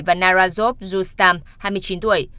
và narazov zhustam hai mươi chín tuổi